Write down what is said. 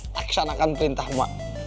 taksanakan perintah ma